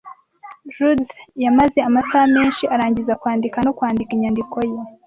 Judy yamaze amasaha menshi arangiza kwandika no kwandika inyandiko ye.